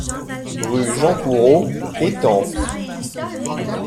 Rue Jean Coureau, Étampes